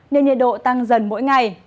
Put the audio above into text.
nên nhiệt độ tăng dần mỗi ngày